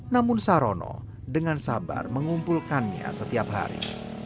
namun sarono dengan sabar mengumpulkannya setiap hari